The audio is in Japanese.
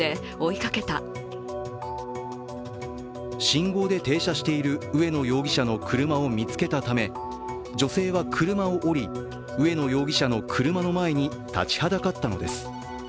信号で停車している上野容疑者の車を見つけたため女性は車を降り、上野容疑者の車の前に立ちはだかったのです。